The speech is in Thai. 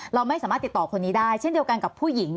เราไม่สามารถติดต่อคนนี้ได้เช่นเดียวกันกับผู้หญิง